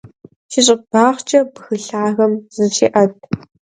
Си щӀыбагъкӀэ бгы лъагэм зыщеӀэт.